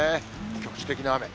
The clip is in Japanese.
局地的な雨。